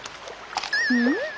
うん？